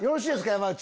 山内。